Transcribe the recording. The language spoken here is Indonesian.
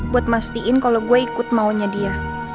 buat mastiin kalau gue ikut maunya dia